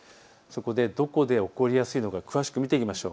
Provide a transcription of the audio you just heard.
どこで起こりやすいのか詳しく見ていきましょう。